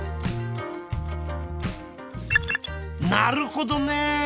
なるほどね！